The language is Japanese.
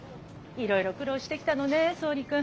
いろいろ苦労してきたのね総理君。